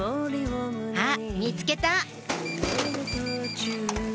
あっ見つけた！